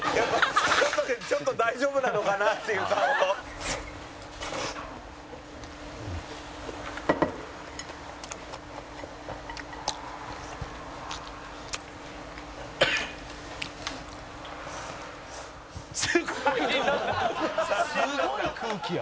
「ちょっと大丈夫なのかな？っていう顔」「３人飲んだ」